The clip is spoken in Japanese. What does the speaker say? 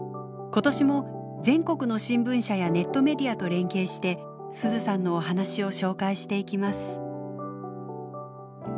今年も全国の新聞社やネットメディアと連携してすずさんのお話を紹介していきます。